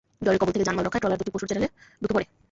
ঝড়ের কবল থেকে জানমাল রক্ষায় ট্রলার দুটি পশুর চ্যানেলে ঢুকে পড়ে।